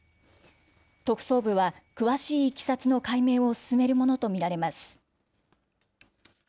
特捜部は詳しいいきさつの解明を進めるものと見られます。